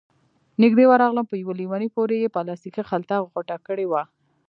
نږدې ورغلم، په يوه ليوني پورې يې پلاستيکي خلطه غوټه کړې وه،